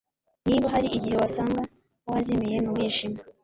Niba hari igihe wasanga wazimiye mu mwijima